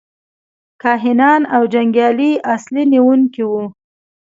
کاهنان او جنګیالي اصلي نیونکي وو.